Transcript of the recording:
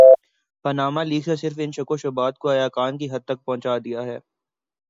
Panama leaks نے صرف ان شکوک وشبہات کو ایقان کی حد تک پہنچا دیا ہے۔